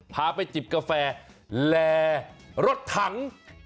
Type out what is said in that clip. พาไปจิบกาแฟแหล่รถถัง